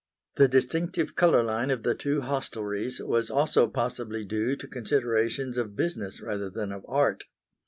The distinctive colour line of the two hostelries was also possibly due to considerations of business rather than of art.